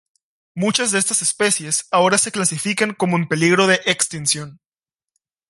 Muchas de estas especies ahora se clasifican como en peligro de extinción.